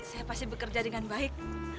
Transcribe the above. saya pasti bekerja dengan baik